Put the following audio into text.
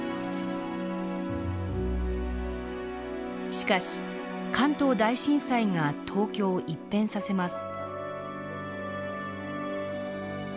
しかし関東大震災が東京を一変させます。